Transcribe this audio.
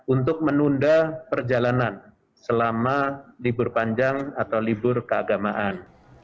untuk menunda perjalanan selama libur panjang atau libur keagamaan